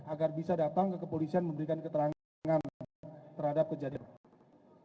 agar bisa datang ke kepolisian memberikan keterangan terhadap kejadian ini